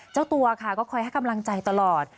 เจ้าตัวค่ะก็คอยให้กำลังใจตลอด